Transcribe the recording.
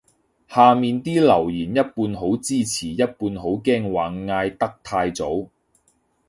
下面啲留言一半好支持一半好驚話嗌得太早